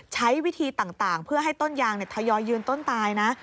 ใช้วิธีต่างเพื่อให้ต้นยางทยอยยืนต้นตายนะ